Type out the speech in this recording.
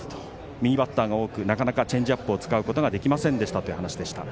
右バッターが多くなかなかチェンジアップを使うことができませんでしたという話でした。